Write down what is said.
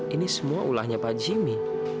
ini semua ulahnya pak jimmy